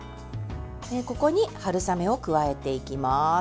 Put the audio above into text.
ここに春雨を加えていきます。